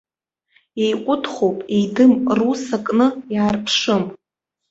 Еиҟәыҭхоуп, еидым, рус акны иаарԥшым.